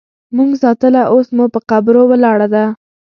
مونږ ساتله اوس مو په قبرو ولاړه ده